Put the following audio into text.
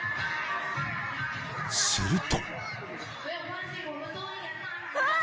［すると］